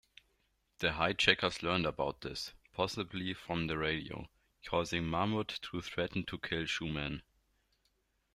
The hijackers learned about this-possibly from the radio-causing Mahmud to threaten to kill Schumann.